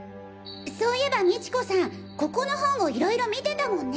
そういえば美知子さんここの本を色々見てたもんね。